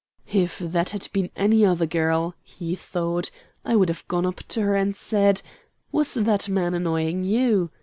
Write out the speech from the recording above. "If that had been any other girl," he thought, "I would have gone up to her and said, 'Was that man annoying you?'